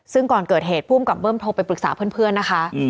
ซึ่งก่อนเกิดเหตุภูมิกับเบิ้มโทรไปปรึกษาเพื่อนนะคะ